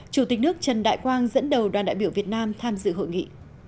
chủ tịch nước trần đại quang dẫn đầu đoàn đại biểu việt nam tham dự hội nghị